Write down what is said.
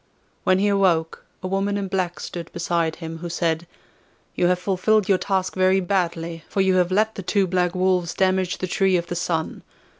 When he awoke a woman in black stood beside him, who said: 'You have fulfilled your task very badly, for you have let the two black wolves damage the Tree of the Sun.